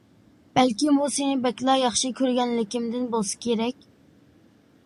بەلكىم بۇ سىنى بەكلا ياخشى كۆرگەنلىكىمدىن بولسا كېرەك.